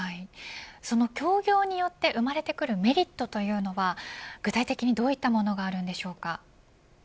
その協業によって生まれてくるメリットは具体的にはどういったものがありますか。